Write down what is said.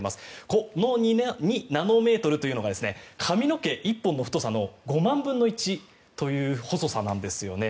この２ナノメートルというのが髪の毛１本の太さの５万分の１という細さなんですよね。